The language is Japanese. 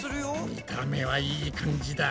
見た目はいい感じだ。